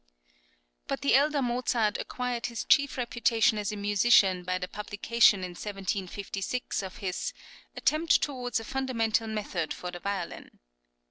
But the elder Mozart acquired his chief reputation as a musician by the publication in 1756 of his "Attempt towards a Fundamental Method for the Violin."